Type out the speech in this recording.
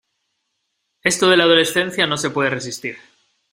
Esto de la adolescencia no se puede resistir.